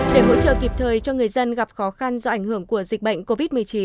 để hỗ trợ kịp thời cho người dân gặp khó khăn do ảnh hưởng của dịch bệnh covid một mươi chín